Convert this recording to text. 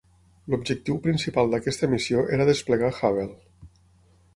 L'objectiu principal d'aquesta missió era desplegar Hubble.